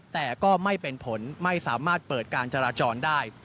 แต่ก็ไม่เป็นผลไม่สามารถเปิดการจราจรได้